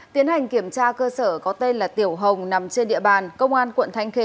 tiến hành kiểm tra cơ sở có tên là tiểu hồng nằm trên địa bàn công an quận thanh khê